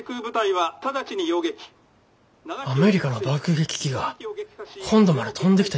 アメリカの爆撃機が本土まで飛んできたいうこと？